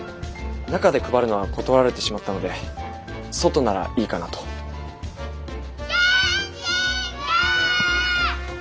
中で配るのは断られてしまったので外ならいいかなと。けんちんくん！